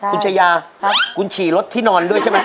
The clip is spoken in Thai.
คุณชายาคุณฉี่รถที่นอนด้วยใช่ไหม